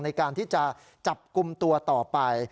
ในการที่จะจับกลุ่มตัวต่อไป